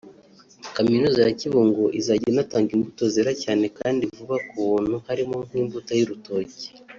Kaminuza ya Kibungo izajya inatanga imbuto zera cyane kandi vuba ku buntu harimo nk’imbuto y’urutoki